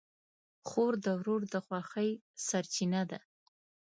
خور د ورور د خوښۍ سرچینه ده.